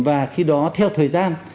và khi đó theo thời gian